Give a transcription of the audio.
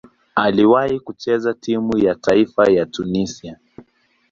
Aliwahi kucheza timu ya taifa ya Tunisia.